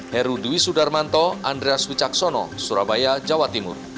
heru dwi sudarmanto andreas wicaksono surabaya jawa timur